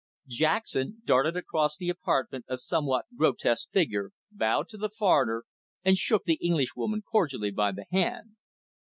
Jackson darted across the apartment, a somewhat grotesque figure, bowed to the foreigner, and shook the Englishwoman cordially by the hand.